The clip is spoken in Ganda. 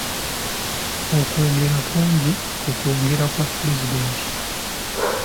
Okwogera kungi ku kwogera kwa pulezidenti.